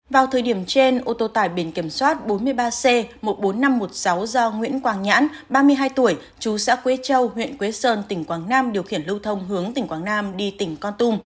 vào thời điểm trên ô tô tải biển kiểm soát bốn mươi ba c một mươi bốn nghìn năm trăm một mươi sáu do nguyễn quảng nhãn ba mươi hai tuổi chú xã quế châu huyện quế sơn tỉnh quảng nam điều khiển lưu thông hướng tỉnh quảng nam đi tỉnh con tum